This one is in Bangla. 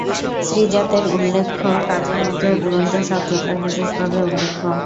শ্রীজাত-এর উল্লেখ্য কাজের মধ্যে "উড়ন্ত সব জোকার" বিশেষভাবে উল্লেখ্য।